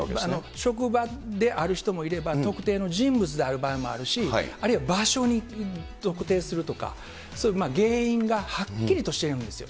職場である人もいれば、特定の人物である場合もあるし、あるいは場所に特定するとか、そういう原因がはっきりとしているんですよ